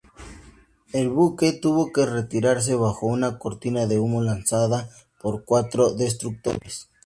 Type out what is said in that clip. El buque tuvo que retirarse bajo una cortina de humo lanzada por cuatro destructores.